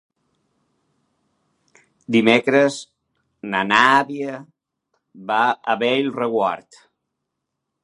Dimecres na Nàdia va a Bellreguard.